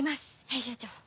編集長。